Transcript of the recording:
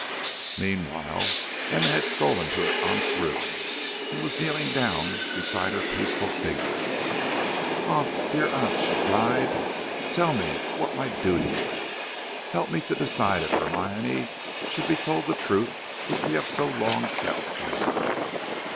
Meanwhile Emma had stolen to her aunt's room, and was kneeling down beside her peaceful figure. "Aunt, dear Aunt," she cried, "tell me what my duty is. Help me to decide if Hermione should be told the truth which we have so long kept from her."